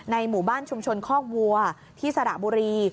หมู่บ้านชุมชนคอกวัวที่สระบุรี